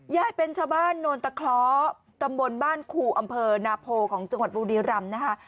ยายเป็นชาวบ้านโนนตะเคราะห์ตำบลบ้านครูอำเภอนาโพของจังหวัดบุรีรำนะคะ